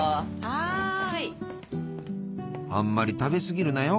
あんまり食べ過ぎるなよ。